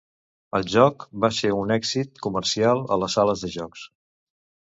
El joc va ser un èxit comercial a les sales de jocs.